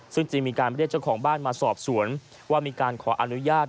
ซึ่งจึงมีการเรียกเจ้าของบ้านมาสอบสวนว่ามีการขออนุญาต